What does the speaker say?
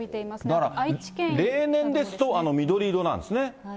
だから例年ですと、緑色なんですね。